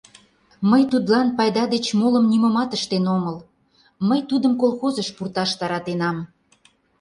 Мый тудлан пайда деч молым нимомат ыштен омыл: мый тудым колхозыш пурташ таратенам.